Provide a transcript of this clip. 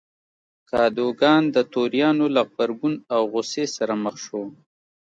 کادوګان د توریانو له غبرګون او غوسې سره مخ شو.